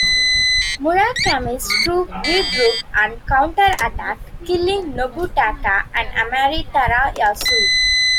Murakami's troop regrouped and counterattacked, killing Nobutaka and Amari Torayasu.